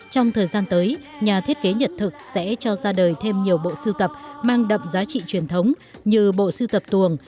trong thời gian tới nhà thiết kế nhật thực sẽ cho ra đời thêm nhiều bộ sưu tập mang đậm giá trị truyền thống như bộ siêu tập tuồng